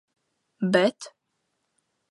Bet.